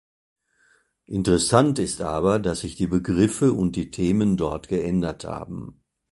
Interessant ist aber, dass sich die Begriffe und die Themen dort geändert haben.